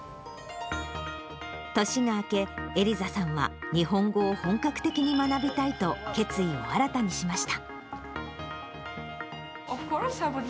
年が明け、エリザさんは日本語を本格的に学びたいと、決意を新たにしました。